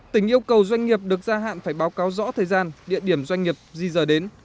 tỉnh yêu cầu doanh nghiệp được gia hạn phải báo cáo rõ thời gian địa điểm doanh nghiệp di rời đến